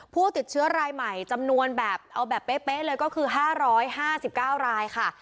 ผู้ติดเชื้อรายใหม่จำนวนแบบเอาแบบเป๊ะเลยก็คือ๕๕๙รายค่ะ